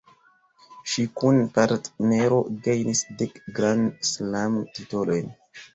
Ŝi kun partnero gajnis dek Grand Slam-titolojn.